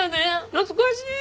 懐かしい！